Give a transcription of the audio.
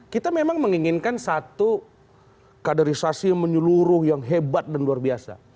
kita memang menginginkan satu kaderisasi yang menyeluruh yang hebat dan luar biasa